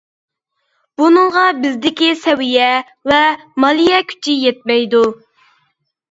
بۇنىڭغا بىزدىكى سەۋىيە ۋە مالىيە كۈچى يەتمەيدۇ.